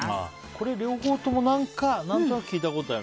これ、両方とも何となく聞いたことがある。